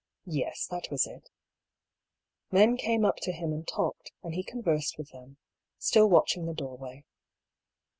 Yes, that was it. Men came up to him and talked, and he conversed with them, still watching the doorway.